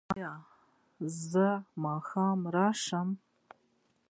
ایا زه ماښام راشم؟